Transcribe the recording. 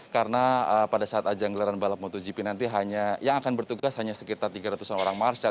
karena pada saat ajang gelaran balap motogp nanti yang akan bertugas hanya sekitar tiga ratus orang marsial